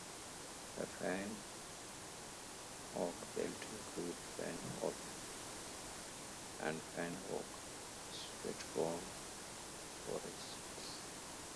The pine–oak belt includes pine–oak and pine–oak–sweetgum forests.